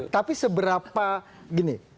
tapi seberapa gini